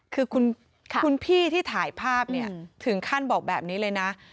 คือคุณพี่ที่ถ่ายภาพเนี่ยถึงขั้นบอกแบบนี้เลยนะ